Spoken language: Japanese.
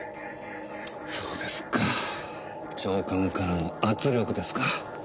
そうですか長官からの圧力ですか。